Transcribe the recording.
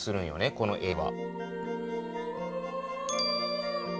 この絵は。